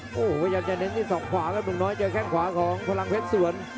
โอ้โหพยายามจะเน้นที่ศอกขวาแล้วเมืองน้อยเจอแข้งขวาของพลังเพชรสวน